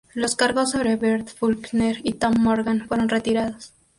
Los cargos sobre Bert Faulkner y Tom Morgan fueron retirados.